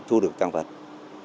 quá trình đấu tranh khai thác